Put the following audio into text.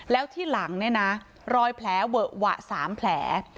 แล้วที่หลังเนี่ยนะรอยแผลเวอะหวะ๓แผล